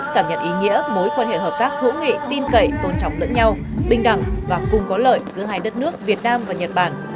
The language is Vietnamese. cảm nhận ý nghĩa mối quan hệ hợp tác hữu nghị tin cậy tôn trọng lẫn nhau bình đẳng và cùng có lợi giữa hai đất nước việt nam và nhật bản